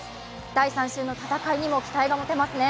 第３週の戦いにも期待が持てますね